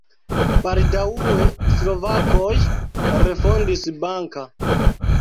Baldaŭe slovakoj refondis Banka.